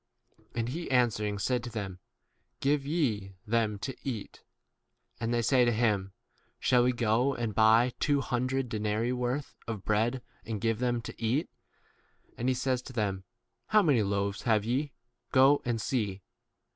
And he answering said to them, Give ye them to eat. And they say to him, Shall we go and buy two hundred denarii worth of 33 bread and give them to eat ? And he says to them, How many loaves have ye ? Go and see.